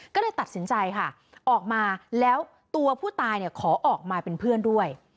ก็เลยตัดสินใจค่ะออกมาแล้วตัวผู้ตายขอออกมาเป็นเพื่อนด้วย